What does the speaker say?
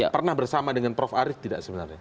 pernah bersama dengan prof arief tidak sebenarnya